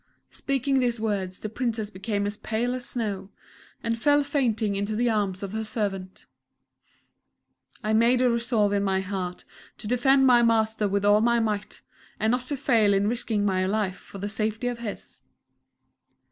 Speaking these words the Princess became as pale as snow, and fell fainting into the arms of her servants. I made a resolve in my heart to defend my Master with all my might, and not to fail in risking my life for the safety of his.